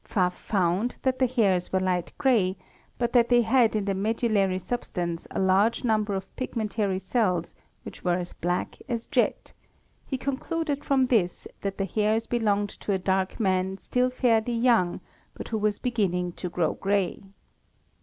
Pfaff found that the hairs were light grey but that they had in the medullary substance a large number of pigmentary cells which were as black as jet ; he concluded from this that the hairs belonged to a dark man still fairly young but who was beginning to grow grey.